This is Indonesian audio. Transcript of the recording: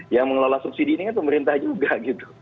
yang mengelola subsidi ini kan pemerintah juga gitu